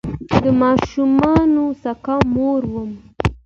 ماشومانو سکه مور وم